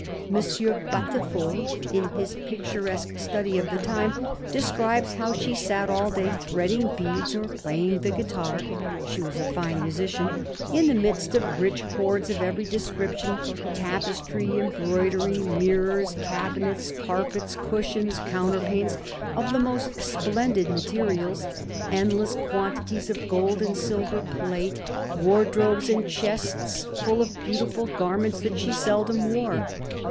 M. Batiffol, in his picturesque study of the time, describes how she sat all day threading beads or playing the guitar she was a fine musician — in the midst of rich hoards of every description : tapestry, embroidery, mirrors, cabinets, THE BISHOP OF LUgON 8i carpets, cushions, counterpanes, of the most splendid materials ; endless quantities of gold and silver plate ; wardrobes and chests full of beautiful garments that she seldom wore.